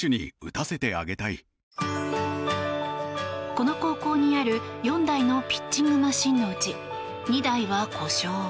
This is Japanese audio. この高校にある４台のピッチングマシンのうち２台は故障。